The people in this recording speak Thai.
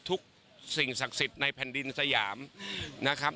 สิ่งศักดิ์สิทธิ์ในแผ่นดินสยามนะครับ